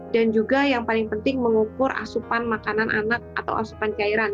dan juga yang paling penting mengukur asupan makanan anak atau asupan cairan